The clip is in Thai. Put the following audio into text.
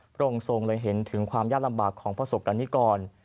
พระองค์ทรงเลยเห็นถึงความยากลำบากของประสบกรณิกร